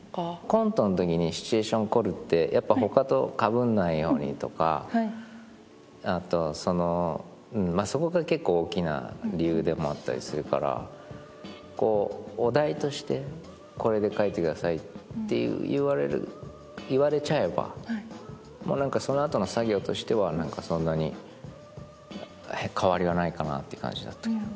コントのときにシチュエーションを凝るってやっぱ他とかぶんないようにとかあとまあそこが結構大きな理由でもあったりするからこうお題として「これで書いてください」って言われちゃえばその後の作業としては何かそんなに変わりはないかなって感じだったけど。